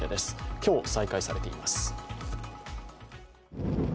今日、再開されています。